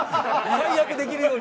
最悪できるように！